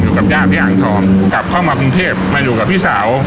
อยู่กับญาติที่อ่างทองกลับเข้ามากรุงเทพมาอยู่กับพี่สาว